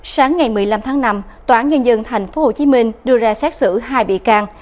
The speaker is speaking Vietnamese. sáng ngày một mươi năm tháng năm tòa án nhân dân thành phố hồ chí minh đưa ra xét xử hai bị can